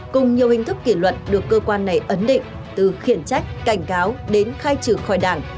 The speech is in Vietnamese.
cùng nhiều hình thức kỷ luật được cơ quan này ấn định từ khiển trách cảnh cáo đến khai trừ khỏi đảng